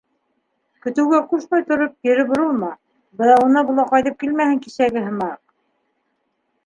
Көтөүгә ҡушмай тороп, кире боролма, быҙауына була ҡайтып килмәһен кисәге һымаҡ...